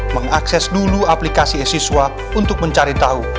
mengakses dulu aplikasi e siswa untuk mencari tahu